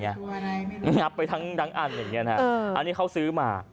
งับไปทั้งอังอันอันนี้เขาซื้อมา